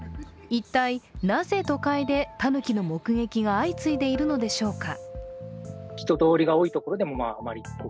一体なぜ都会でたぬきの目撃が相次いでいるのでしょうか。